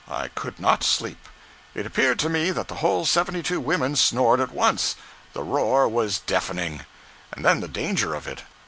I could not sleep. It appeared to me that the whole seventy two women snored at once. The roar was deafening. And then the danger of it!